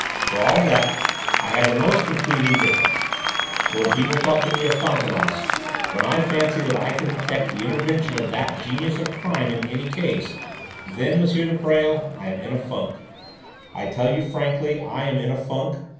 For all that I have the most complete indifference! But when people talk to me of Fantômas, when I fancy that I can detect the intervention of that genius of crime in any case, then, M. de Presles, I am in a funk! I tell you frankly I am in a funk.